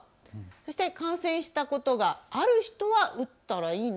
そして感染したことがある人は打ったほうがいいの？